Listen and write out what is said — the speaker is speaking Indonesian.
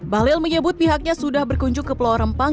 bahlil menyebut pihaknya sudah berkunjung ke pulau rempang